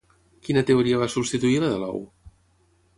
Quina teoria va substituir la de l'ou?